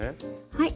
はい。